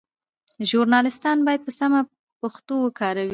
ژورنالیستان باید سمه پښتو وکاروي.